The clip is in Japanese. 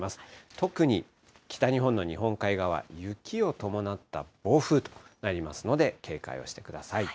特に北日本の日本海側、雪を伴った暴風となりますので、警戒をしてください。